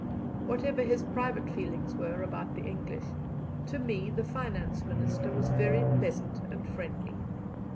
Whatever his private feelings were about the English, to me the Finance Minister was very pleasant and friendly.